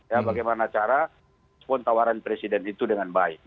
ya bagaimana cara spon tawaran presiden itu dengan baik